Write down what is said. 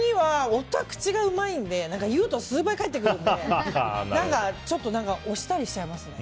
夫は口がうまいので言うと数倍返ってくるのでちょっと押したりしちゃいますね。